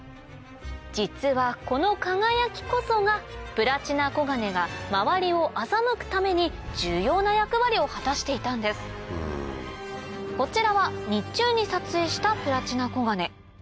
実はこの輝きこそがプラチナコガネが周りを欺くために重要な役割を果たしていたんですこちらは日中に撮影したプラチナコガネ